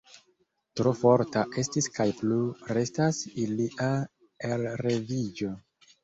Tro forta estis kaj plu restas ilia elreviĝo.